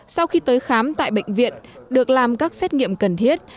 sau khi tới khám tại bệnh viện được làm các xét nghiệm cần thiết